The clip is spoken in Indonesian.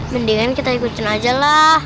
mendingan kita ikutin ajalah